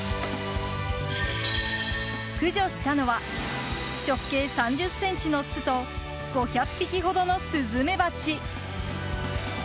駆除したのは直径３０ｃｍの巣と５００匹ほどのスズメバチ。